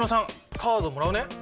カードもらうね。